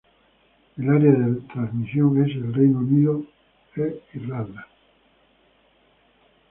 El área de transmisión es Reino Unido e Irlanda.